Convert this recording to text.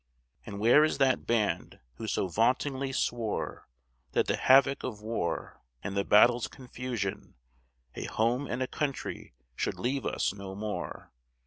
And where is that band who so vauntingly swore That the havoc of war and the battle's confusion A home and a country should leave us no more?